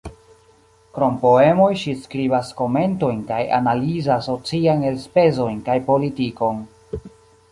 Krom poemoj ŝi skribas komentojn kaj analizas sociajn elspezojn kaj politikon.